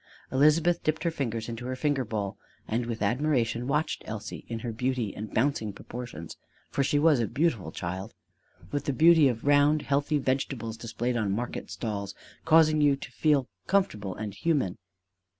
Elizabeth dipped her fingers into her finger bowl, and with admiration watched Elsie in her beauty and bouncing proportions: for she was a beautiful child with the beauty of round healthy vegetables displayed on market stalls, causing you to feel comfortable and human.